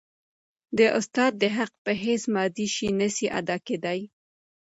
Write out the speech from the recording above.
د استاد د حق په هيڅ مادي شي نسي ادا کيدای.